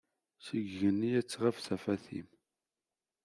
Seg igenni ad tɣab tafat-im.